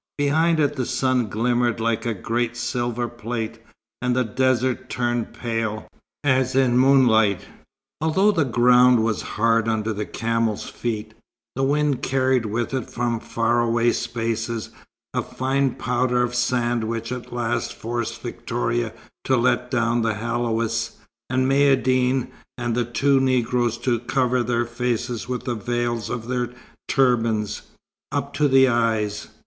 Behind it the sun glimmered like a great silver plate, and the desert turned pale, as in moonlight. Although the ground was hard under the camels' feet, the wind carried with it from far away spaces a fine powder of sand which at last forced Victoria to let down the haoulis, and Maïeddine and the two Negroes to cover their faces with the veils of their turbans, up to the eyes.